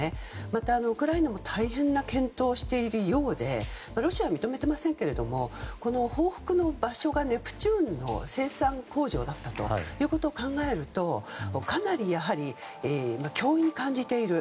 また、ウクライナも大変な健闘をしているようでロシアは認めていませんがこの報復の場所がネプチューンの生産工場だったということを考えるとかなり脅威に感じている。